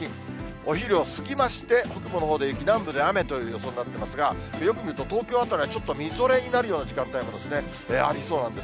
お昼を過ぎまして、北部のほうで雪、南部で雨という予想になってますが、よく見ると東京辺りはちょっとみぞれになるような時間帯もありそうなんです。